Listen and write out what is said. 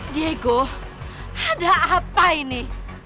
diego ada apa ini